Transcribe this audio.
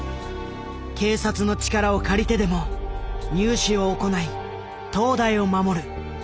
警察の力を借りてでも入試を行い東大を守る。